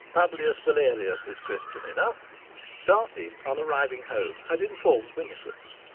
Publius Valerius is Christian enough." Dartie, on arriving home, had informed Winifred.